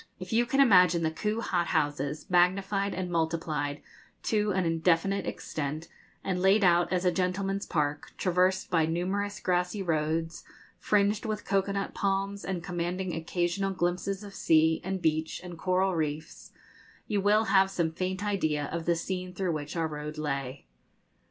If you can imagine the Kew hot houses magnified and multiplied to an indefinite extent, and laid out as a gentleman's park, traversed by numerous grassy roads fringed with cocoa nut palms, and commanding occasional glimpses of sea, and beach, and coral reefs, you will have some faint idea of the scene through which our road lay.